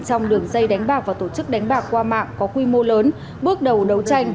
trong đường dây đánh bạc và tổ chức đánh bạc qua mạng có quy mô lớn bước đầu đấu tranh